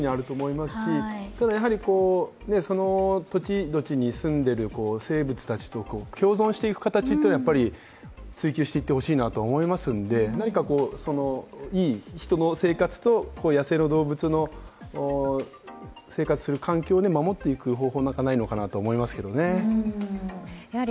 ただ、その土地土地に住んでいる生物たちと共存していく形というのは追求していってほしいなと思いますのでいい人の生活と野生の動物の生活する環境を守っていく方法は何かないのかと思いますけどね。